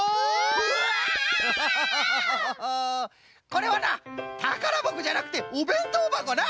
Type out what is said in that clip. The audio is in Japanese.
これはなたからばこじゃなくておべんとうばこな！